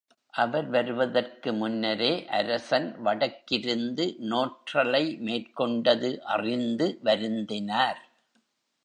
அவர் வருவதற்கு முன்னரே அரசன் வடக்கிருந்து நோற்றலை மேற்கொண்டது அறிந்து வருந்தினார்.